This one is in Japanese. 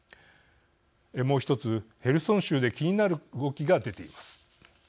もう１つ、ヘルソン州で気になる動きが出ています。